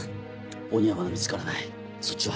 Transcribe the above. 鬼はまだ見つからないそっちは？